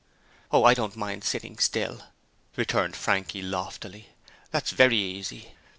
'Oh, I don't mind sitting still,' returned Frankie, loftily. 'That's very easy.